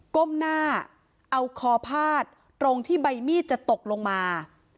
ก้มหน้าเอาคอพาดตรงที่ใบมีดจะตกลงมา